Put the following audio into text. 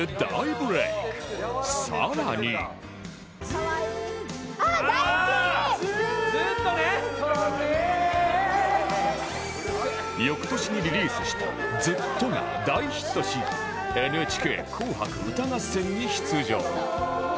「ずっとずっとねエ」翌年にリリースした『ＺＵＴＴＯ』が大ヒットし『ＮＨＫ 紅白歌合戦』に出場